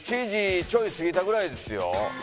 ７時ちょいすぎたぐらいですよ。